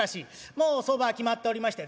もう相場は決まっておりまして。